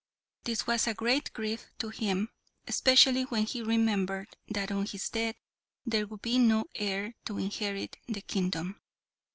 This was a great grief to him, especially when he remembered that on his death there would be no heir to inherit the kingdom.